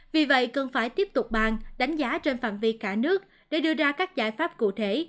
vì vậy cần phải tiếp tục bàn đánh giá trên phạm vi cả nước để đưa ra các giải pháp cụ thể